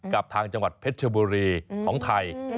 กับทางจังหวัดเพชรชบุรีของไทย